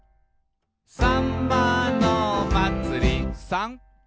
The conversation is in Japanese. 「さんまのまつり」「さん」